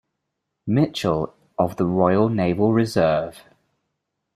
Mitchell of the Royal Naval Reserve.